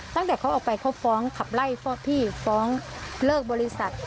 ตั้งแต่เขาออกไปเขาฟ้องขับไล่ฟอกพี่ฟ้องเลิกบริษัท